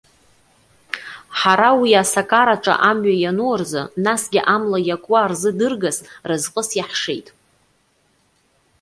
Ҳара уи, асакараҿы амҩа иану рзы, насгьы амла иакуа рзы дыргас, разҟыс иаҳшеит.